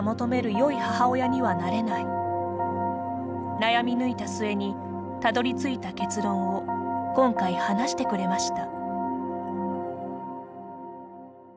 悩み抜いた末にたどり着いた結論を今回、話してくれました。